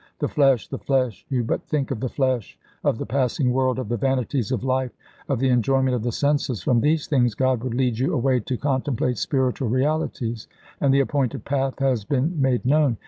The flesh! The flesh! You but think of the flesh, of the passing world, of the vanities of life, of the enjoyment of the senses. From these things God would lead you away to contemplate spiritual realities, and the appointed path has been made known.